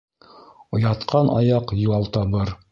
Ятҡан аяҡ ял табыр